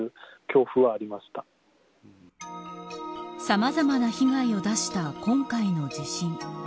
さまざまな被害を出した今回の地震。